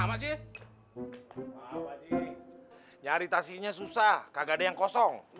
wah pak ji nyari taksinya susah kagak ada yang kosong